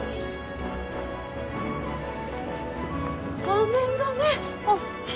ごめんごめん。